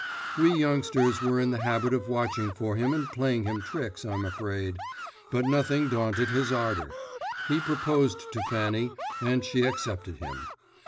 We youngsters were in the habit of watching for him and playing him tricks, I am afraid, but nothing daunted his ardour. He proposed for Fanny, and she accepted him.